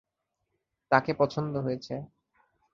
তাকে পছন্দ হয়েছে।